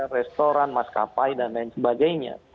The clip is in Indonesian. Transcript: restoran maskapai dan lain sebagainya